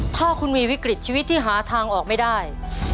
ถ้าคุณมีวิกฤตชีวิตที่หาทางออกไม่ได้